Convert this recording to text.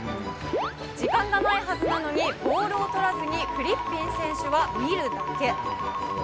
時間がないはずなのに、ボールを取らずに、フリッピン選手は見るだけ。